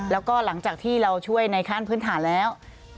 แล้วก็หลังจากที่เราช่วยในขั้นพื้นฐานแล้ว